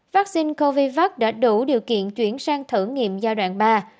vaccine covid đã đủ điều kiện chuyển sang thử nghiệm giai đoạn ba